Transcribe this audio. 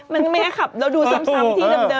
มันแม้ขับเราดูซ้ำที่เดิม